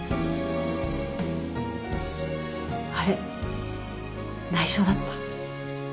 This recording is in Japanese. あれ内緒だった？